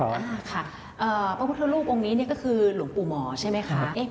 อ่าค่ะพระพุทธรูปองค์นี้นี่ก็คือหลวงปู่หมอใช่ไหมคะ